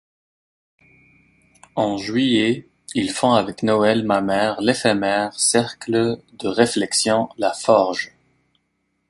En juillet, il fonde avec Noël Mamère l'éphémère cercle de réflexion La Forge.